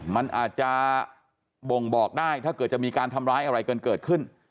มันอาจจะบ่งบอกได้ถ้าเกิดจะมีการทำร้ายอะไรกันเกิดขึ้น